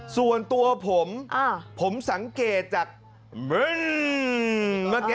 ส่วนตัวผมผมสังเกตจาก